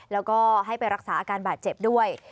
แล้วก็ให้ไปรักษาอาการบาดเจ็บด้วย